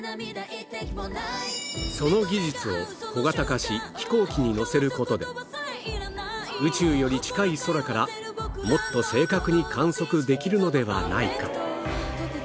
その技術を小型化し、飛行機に載せることで、宇宙より近い空から、もっと正確に観測できるのではないか。